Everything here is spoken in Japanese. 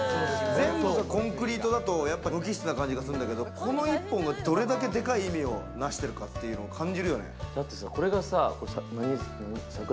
全部コンクリートだと無機質な感じがするんだけれども、この１本が、どれだけでかい意味をなしてるかって感じるよね。